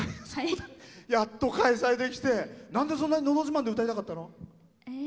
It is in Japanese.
やっと開催できてなんで、「のど自慢」で歌いたかったの？